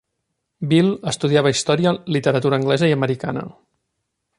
Bill, estudiava història, literatura anglesa i americana.